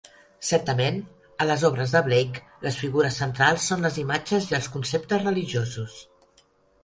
Certament, a les obres de Blake les figures centrals són les imatges i els conceptes religiosos.